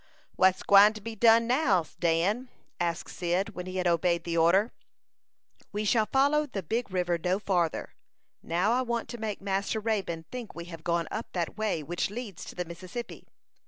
"What's gwine to be done now, Dan?" asked Cyd, when he had obeyed the order. "We shall follow the big river no farther. Now, I want to make Master Raybone think we have gone up that way, which leads to the Mississippi.